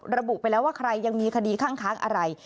ระบุไปแล้วว่าใครยังมีคดีข้างค้างอะไร